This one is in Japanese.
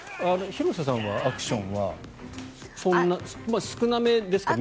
広瀬さんはアクションは少なめですか？